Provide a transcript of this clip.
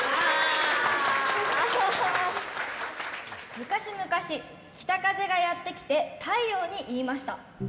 昔々、北風がやって来て、太陽に言いました。